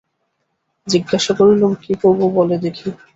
জিজ্ঞাসা করলুম, কী করবে বলো দেখি।